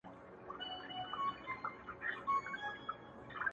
ډیک په هر ځنګله کي ښاخ پر ښاخ کړېږي؛